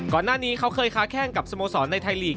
ก่อนหน้านี้เขาเคยค้าแข้งกับสโมสรในไทยลีก